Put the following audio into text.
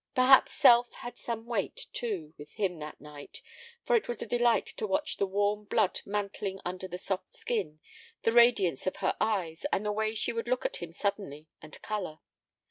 Perhaps self had some weight, too, with him that night, for it was a delight to watch the warm blood mantling under the soft skin, the radiance of her eyes, and the way she would look at him suddenly and color.